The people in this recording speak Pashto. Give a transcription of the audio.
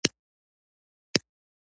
دا د بدن د غړو د حرکت د سمېدو لامل ګرځي.